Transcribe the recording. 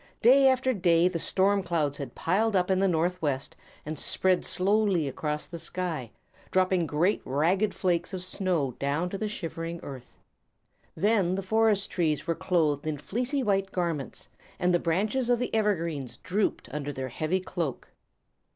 Day after day the storm clouds had piled up in the northwest and spread slowly over the sky, dropping great ragged flakes of snow down to the shivering earth. Then the forest trees were clothed in fleecy white garments, and the branches of the evergreens drooped under their heavy cloak.